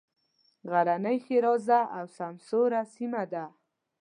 غرنۍ ښېرازه او سمسوره سیمه ده.